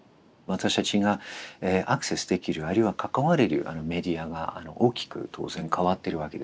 私たちがアクセスできるあるいは関われるメディアが大きく当然変わってるわけですね。